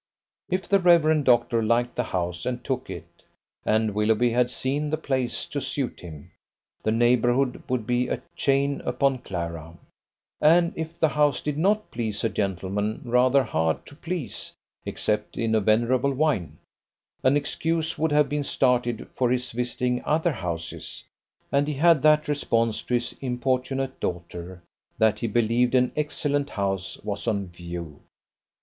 If the Rev. Doctor liked the house and took it (and Willoughby had seen the place to suit him), the neighbourhood would be a chain upon Clara: and if the house did not please a gentleman rather hard to please (except in a venerable wine), an excuse would have been started for his visiting other houses, and he had that response to his importunate daughter, that he believed an excellent house was on view. Dr.